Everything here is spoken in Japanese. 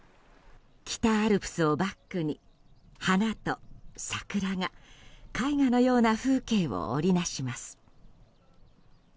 北アルプスをバックに花と桜が絵画のような風景を織りなします。